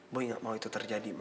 boy gak mau itu terjadi ma